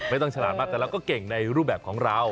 ฉลาดมากแต่เราก็เก่งในรูปแบบของเรา